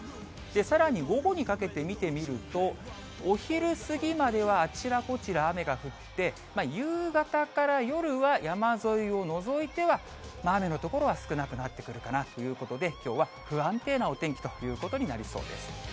さらに午後にかけて見てみると、お昼過ぎまではあちらこちら、雨が降って、夕方から夜は山沿いを除いては、雨の所は少なくなってくるかなということで、きょうは不安定なお天気ということになりそうです。